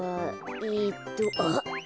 えっとあっ。